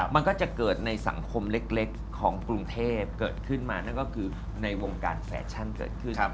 มันก็จะเกิดในสังคมเล็กของกรุงเทพเกิดขึ้นมานั่นก็คือในวงการแฟชั่นเกิดขึ้น